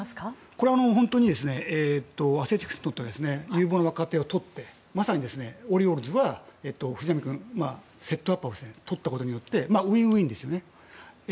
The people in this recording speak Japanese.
これは本当にアスレチックスにとっては有望な若手をとってオリオールズは藤浪君セットアップをとったことによってウィンウィンですよね。